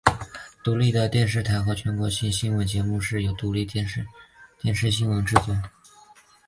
独立电视台的全国性新闻节目是由独立电视新闻制作。